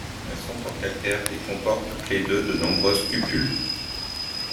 Elles sont en calcaire et comportent toutes les deux de nombreuses cupules.